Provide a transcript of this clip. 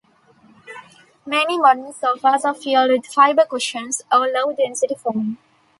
Many modern sofas are filled with fibre cushions or low density foam.